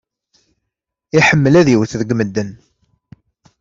Iḥemmel ad iwet deg medden.